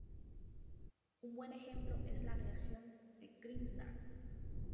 Un buen ejemplo es la reacción de Grignard.